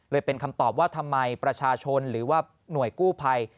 เป็นคำตอบว่าทำไมประชาชนหรือว่าหน่วยกู้ภัย